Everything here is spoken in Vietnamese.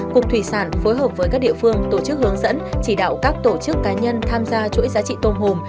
cục thủy sản phối hợp với các địa phương tổ chức hướng dẫn chỉ đạo các tổ chức cá nhân tham gia chuỗi giá trị tôm hùm